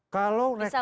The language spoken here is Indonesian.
kalau rektor turun